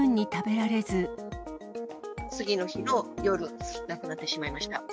次の日の夜、亡くなってしまいました。